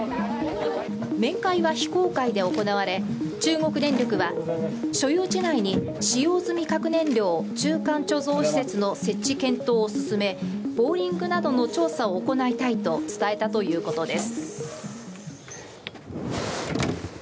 面会は非公開で行われ、中国電力は所有地内に使用済み核燃料中間貯蔵施設の設置健闘を進め、ボーリングなどの調査を行いたいと伝えたということです。